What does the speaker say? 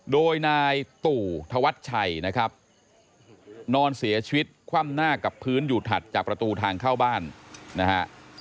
โดยนายตู่ธวัชชัยนะครับนอนเสียชีวิตคว่ำหน้ากับพื้นอยู่ถัดจากประตูทางเข้าบ้านนะฮะ